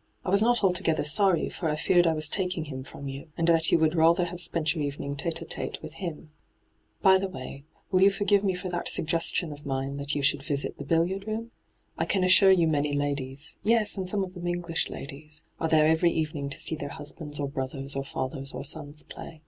' I was not altogether sorry, for I feared I was taking him from you, and that you would rather have spent your evening tite ^tite with him. By the way, will you forgive me for that suggestion of mine that you should visit the billiard room? I can assure you many ladies — yes, and some of them EngUsh ladies — are there every evening to see their husbands or brothers or fathers or sons play.'